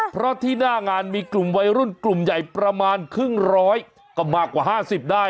เพราะที่หน้างานมีกลุ่มวัยรุ่นกลุ่มใหญ่ประมาณครึ่งร้อยก็มากกว่า๕๐ได้